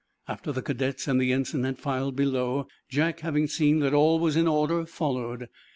After the cadets and the ensign had filed below, Jack, having seen that all was in order, followed.